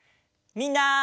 みんな。